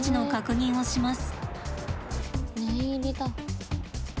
念入りだ。